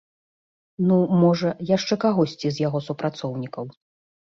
Ну, можа, яшчэ кагосьці з яго супрацоўнікаў.